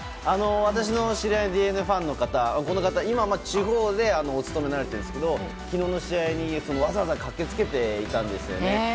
私の知り合いのＤｅＮＡファンの方、今は地方でお勤めになられているんですけど昨日の試合にわざわざ駆けつけて行かれていたんですね。